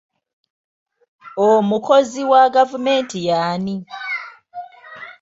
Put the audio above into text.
Omukozi wa gavumenti y'ani?